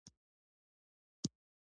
شتمنيو ماليې کلنۍ ماليه وضعه کړي.